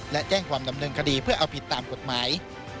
และแจ้งความดำเนินคดีเพื่อเอาผิดตามกฎหมาย